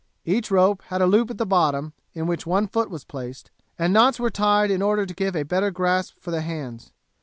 Each rope had a loop at the bottom in which one foot was placed, and knots were tied in order to give a better grasp for the hands.